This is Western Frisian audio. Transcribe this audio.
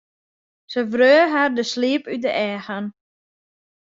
Sy wreau har de sliep út de eagen.